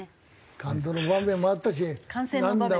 感動の場面もあったしなんだ？